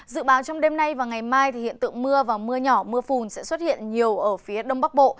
dự báo trong đêm nay và ngày mai thì hiện tượng mưa và mưa nhỏ mưa phùn sẽ xuất hiện nhiều ở phía đông bắc bộ